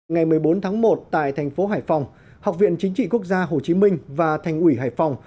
ngày một mươi bốn tháng một tại thành phố hải phòng học viện chính trị quốc gia hồ chí minh và thành ủy hải phòng